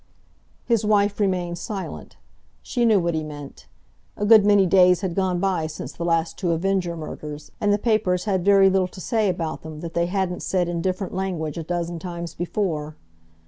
His wife remained silent. She knew what he meant. A good many days had gone by since the last two Avenger murders, and the papers had very little to say about them that they hadn't said in different language a dozen times before.